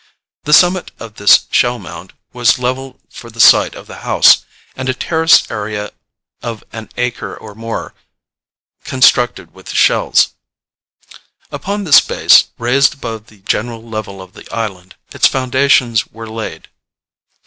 The summit of this shell mound was levelled for the site of the house, and a terraced area of an acre or more constructed with the shells. Upon this base, raised above the general level of the island, its foundations were laid.